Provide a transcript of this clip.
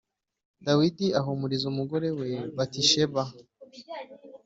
Dawidi ahumuriza umugore we Batisheba